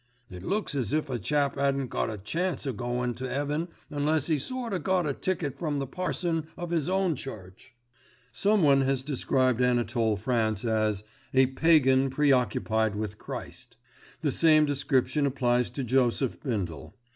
It looks as if a chap 'adn't got a chance of goin' to heaven unless 'e sort of got a ticket from the parson of 'is own church." Someone has described Anatole France as "a pagan preoccupied with Christ." The same description applies to Joseph Bindle.